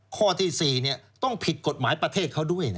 ข้อที่๔ต้องผิดกฎหมายประเทศเขาด้วยนะ